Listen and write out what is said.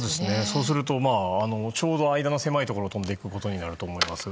そうするとちょうど間の狭いところを飛んでいくことになると思いますが。